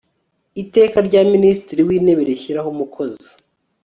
iteka rya minisitiri w'intebe rishyiraho umukozi